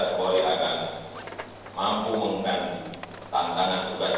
seboleh akan mampu mengumumkan tantangan tugas